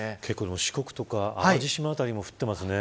四国とか淡路島辺りも降ってますね。